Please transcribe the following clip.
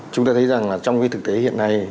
chúng ta thấy rằng trong thực tế hiện nay